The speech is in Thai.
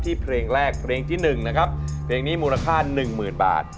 เพลงแรกเพลงที่๑นะครับเพลงนี้มูลค่า๑๐๐๐บาท